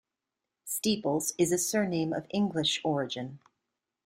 Steeples is a surname of English origin.